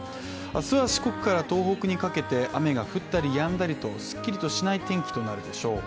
明日は四国から東北にかけて雨が降ったりやんだりとすっきりとしない天気となるでしょう。